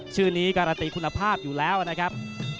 ชื่อนี้การันตีคุณภาพอยู่แล้วนะครับ